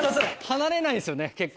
離れないんですよ。